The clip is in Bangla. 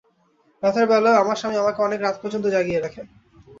রাতের বেলায়ও আমার স্বামী আমাকে অনেক রাত পর্যন্ত জাগিয়ে রাখেন।